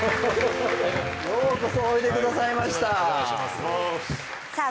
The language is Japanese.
ようこそおいでくださいましたお邪魔しますさあ